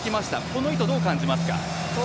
この意図、どう感じますか？